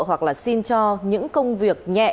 hoặc là xin cho những công việc nhẹ